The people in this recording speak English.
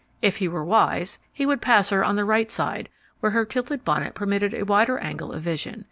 If he were wise, he would pass her on the right side where her tilted bonnet permitted a wider angle of vision.